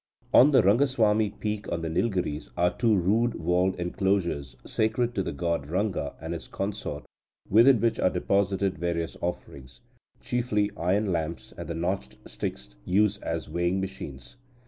On the Rangasvami peak on the Nilgiris are two rude walled enclosures sacred to the god Ranga and his consort, within which are deposited various offerings, chiefly iron lamps and the notched sticks used as weighing machines.